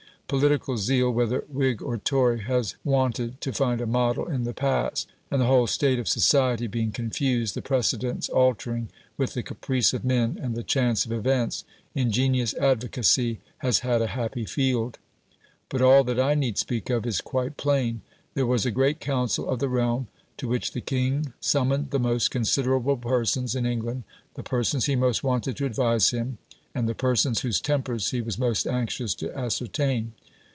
Political zeal, whether Whig or Tory, has wanted to find a model in the past; and the whole state of society being confused, the precedents altering with the caprice of men and the chance of events, ingenious advocacy has had a happy field. But all that I need speak of is quite plain. There was a great "council" of the realm, to which the king summoned the most considerable persons in England, the persons he most wanted to advise him, and the persons whose tempers he was most anxious to ascertain.